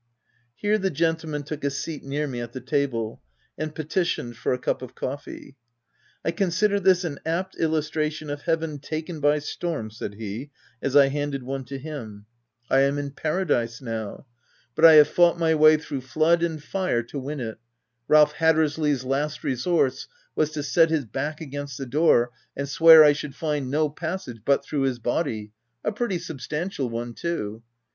Here the gentleman took a seat near me at the table, and petitioned for a cup of coffee. " I consider this an apt illustration of Heaven taken by storm/' said he, as I handed one to him. " I am in paradise now ; but I have OF WILDFELL HALL. 225 fought my way through flood and fire to win it. Ralph Hattersley's last resource was to set his back against the door, and swear I should find no passage but through his body (a pretty substantial one too).